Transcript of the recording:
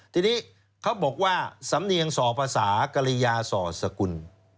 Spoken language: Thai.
ทีนี้เขาบอกว่าสำเนียงส่อภาษากริยาส่อสกุล